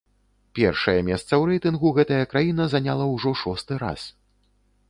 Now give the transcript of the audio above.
Першае месца ў рэйтынгу гэтая краіна заняла ўжо ў шосты раз.